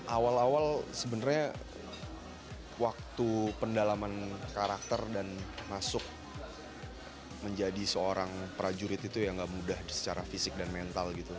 awal awal sebenarnya waktu pendalaman karakter dan masuk menjadi seorang prajurit itu ya nggak mudah secara fisik dan mental gitu